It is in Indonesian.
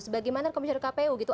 sebagaimana komisar kpu gitu